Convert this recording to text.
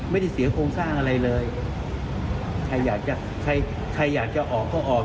ไม่ได้เสียโครงสร้างอะไรเลยใครอยากจะใครใครอยากจะออกก็ออก